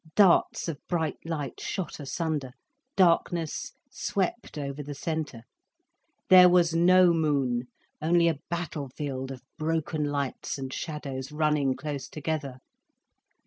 Darts of bright light shot asunder, darkness swept over the centre. There was no moon, only a battlefield of broken lights and shadows, running close together.